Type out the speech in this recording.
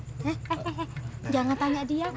he he he jangan tanya dia